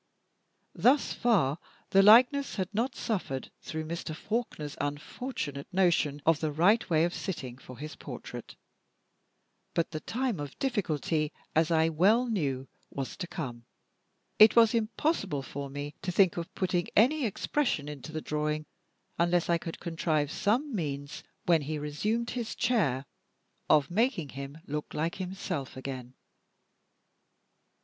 Thus far the likeness had not suffered through Mr. Faulkner's unfortunate notion of the right way of sitting for his portrait; but the time of difficulty, as I well knew, was to come. It was impossible for me to think of putting any expression into the drawing unless I could contrive some means, when he resumed his chair, of making him look like himself again.